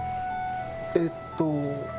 えっと。